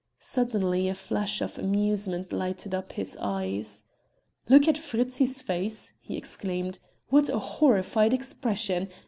Suddenly a flash of amusement lighted up his eyes. "Look at Fritzi's face!" he exclaimed: "What a horrified expression!